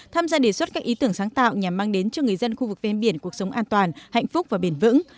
tham gia đề xuất các ý tưởng sáng tạo nhằm mang đến cho người dân khu vực ven biển cuộc sống an toàn hạnh phúc và bền vững